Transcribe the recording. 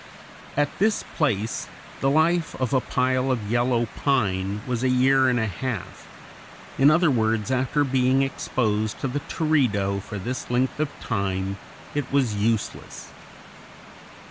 At this place the life of a pile of yellow pine was a year and a half; in other words, after being exposed to the teredo for this length of time, it was useless.